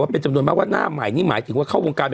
เป็นจำนวนมากว่าหน้าใหม่นี่หมายถึงว่าเข้าวงการ